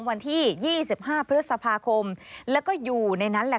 สวัสดีครับทุกคน